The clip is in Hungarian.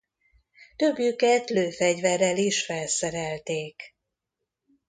Többjüket lőfegyverrel is felszerelték.